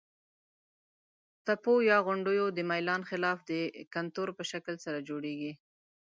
تپو یا غونډیو د میلان خلاف د کنتور په شکل سره جوړیږي.